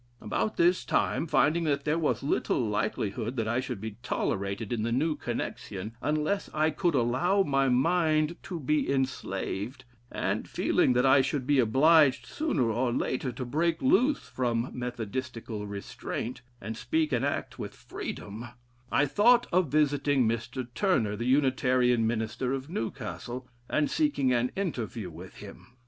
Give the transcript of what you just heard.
About this time, finding that there was little likelihood that I should be tolerated in the New Connexion unless I could allow my mind to be enslaved, and feeling that I should be obliged sooner or later to break loose from Methodistical restraint, and speak and act with freedom, I thought of visiting Mr. Turner, the Unitarian minister of Newcastle, and seeking an interview with him.